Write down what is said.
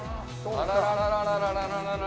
あらららららら。